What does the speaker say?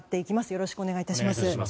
よろしくお願いします。